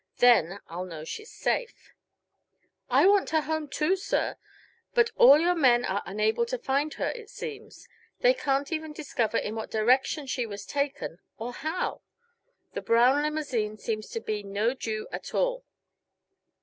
Then I'll know she's safe." "I want her home, too, sir. But all your men are unable to find her, it seems. They can't even discover in what direction she was taken, or how. The brown limousine seems to be no due at all."